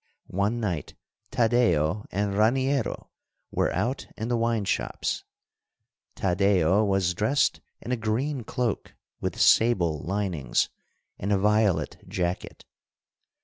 One night Taddeo and Raniero were out in the wine shops. Taddeo was dressed in a green cloak with sable linings, and a violet jacket.